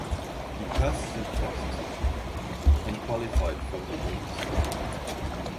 He passed the test and qualified for the race.